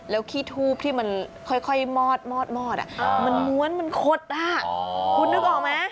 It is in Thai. แล้วขี้ทูบที่มันค่อยมอดมันม้วนมันขดคุณนึกออกไหม